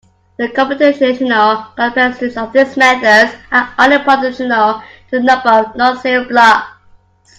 The computational complexities of these methods are only proportional to the number of non-zero blocks.